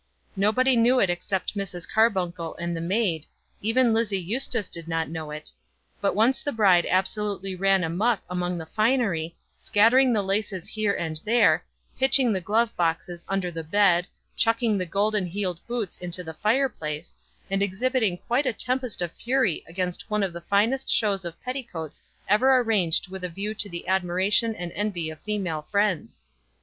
Nobody knew it except Mrs. Carbuncle and the maid, even Lizzie Eustace did not know it; but once the bride absolutely ran amuck among the finery, scattering the laces here and there, pitching the glove boxes under the bed, chucking the golden heeled boots into the fire place, and exhibiting quite a tempest of fury against one of the finest shows of petticoats ever arranged with a view to the admiration and envy of female friends.